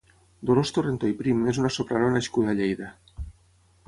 Dolors Torrentó i Prim és una soprano nascuda a Lleida.